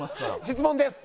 質問です。